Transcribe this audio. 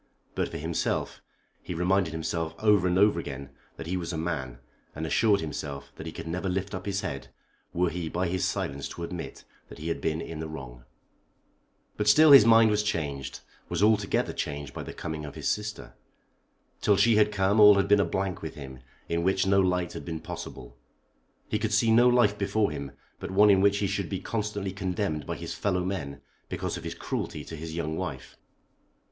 But for himself, he reminded himself over and over again that he was a man, and assured himself that he could never lift up his head were he by his silence to admit that he had been in the wrong. But still his mind was changed, was altogether changed by the coming of his sister. Till she had come all had been a blank with him, in which no light had been possible. He could see no life before him but one in which he should be constantly condemned by his fellow men because of his cruelty to his young wife.